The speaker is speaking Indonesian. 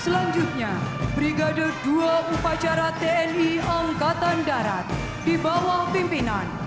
selanjutnya brigade dua upacara tni angkatan darat di bawah pimpinan